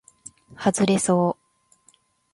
はずれそう